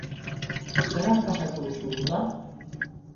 Zelan pasatu duzu uda?